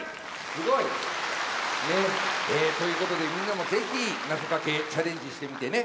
すごい！ということでみんなも是非なぞかけチャレンジしてみてね。